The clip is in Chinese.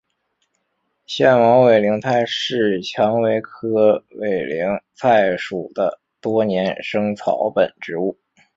腺毛委陵菜是蔷薇科委陵菜属的多年生草本植物。